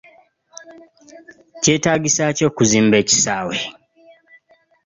Kyetaagisa ki okuzimba ekisaawe?